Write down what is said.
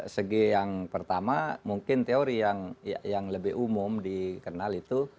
segi yang pertama mungkin teori yang lebih umum dikenal itu